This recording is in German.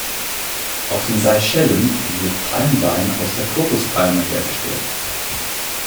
Auf den Seychellen wird Palmwein aus der Kokospalme hergestellt.